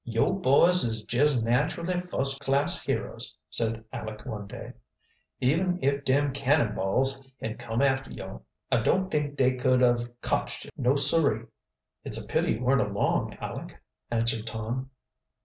"Yo' boys is jes' naturally fust class heroes," said Aleck one day. "Even if dem cannonballs had cum after yo', I don't t'ink da could have cotched yo', no, sirree!" "It's a pity you weren't along, Aleck," answered Tom.